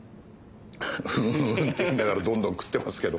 うんって言いながらどんどん食ってますけど。